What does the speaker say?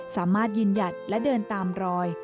สามารถยืนหยัดและเดินตามรอย